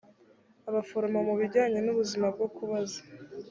abaforomo mubijyanye n ubuzima bwo kubaza